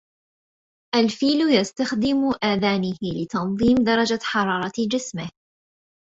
الفيل يستخدم آذانه لتنظيم درجة حرارة جسمه.